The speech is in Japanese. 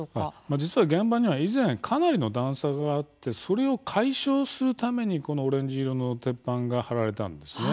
実は現場には以前かなりの段差があり、それを解消するためにオレンジ色の鉄板が張られたんです。